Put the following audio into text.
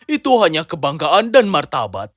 itu hanya kebanggaan dan martabat